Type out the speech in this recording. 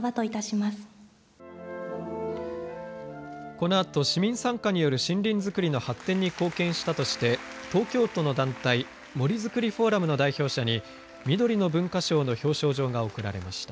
このあと市民参加による森林づくりの発展に貢献したとして東京都の団体森づくりフォーラムの代表者にみどりの文化賞の表彰状が贈られました。